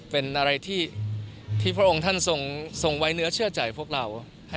เป็นอะไรที่พระองค์ท่านทรงไว้เนื้อเชื่อใจพวกเรา